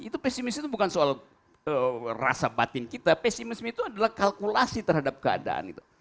itu pesimis itu bukan soal rasa batin kita pesimisme itu adalah kalkulasi terhadap keadaan gitu